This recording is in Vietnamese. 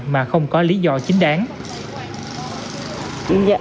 mà không có lý do chính đáng